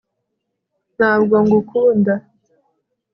ntabwo ngukunda